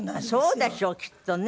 そうでしょうきっとね。